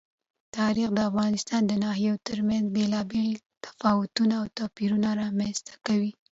تاریخ د افغانستان د ناحیو ترمنځ بېلابېل تفاوتونه او توپیرونه رامنځ ته کوي.